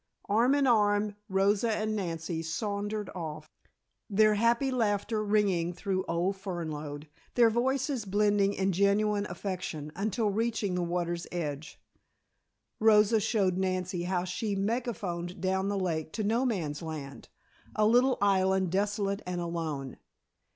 Arm in arm Rosa and Nancy sauntered off, their happy laughter ringing through old Fernlode, their voices blending in genuine affection until reaching the water's edge, Rosa showed Nancy how she "megaphoned" down the lake to No Man's Land, a little island, desolate and alone.